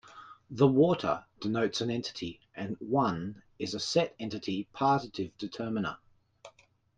"The water" denotes an entity, and "one" is a set entity partitive determiner.